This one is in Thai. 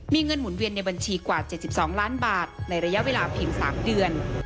มีเงินหมุนเวียนในบัญชีกว่า๗๒ล้านบาทในระยะเวลาเพียง๓เดือน